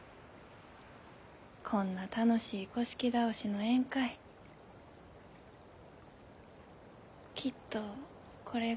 こんな楽しい倒しの宴会きっとこれが。